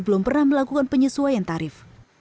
belum pernah melakukan penyesuaian tarif